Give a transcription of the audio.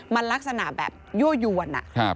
มันลักษณะแบบยั่วยวน